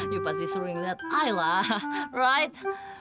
you pasti sering liat i lah right